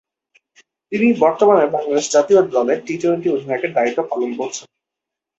তিনি বর্তমানে বাংলাদেশ জাতীয় দলের টি-টোয়েন্টি অধিনায়কের দায়িত্ব পালন করছেন।